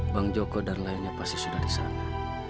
bang joko dan lainnya pasti sudah disana